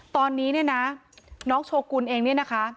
ตอนนี้เนี่ยนะน้องโชกุลเองเนี่ยนะคะ